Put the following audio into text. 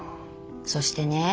そしてね